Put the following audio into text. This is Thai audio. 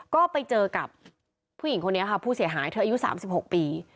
ก็ไปเจอกับผู้หญิงคนนี้ค่ะผู้เสียหายเธออายุ๓๖ปี